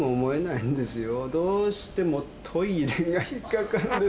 どうしてもトイレが引っ掛かります。